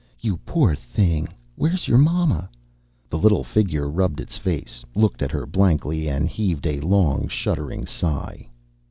"You poor thing. Where's your mama?" The little figure rubbed its face, looked at her blankly and heaved a long, shuddering sigh.